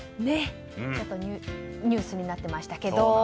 ちょっとニュースになってましたけど。